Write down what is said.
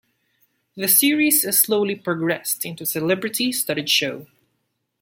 The series has slowly progressed into a celebrity-studded show.